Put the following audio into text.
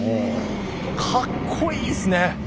かっこいいですね！